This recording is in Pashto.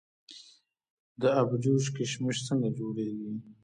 د ابجوش کشمش څنګه جوړیږي؟